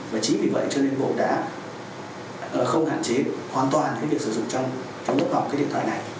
và chỉ vì vậy cho nên bộ đã không hạn chế hoàn toàn việc sử dụng trong lớp học điện thoại này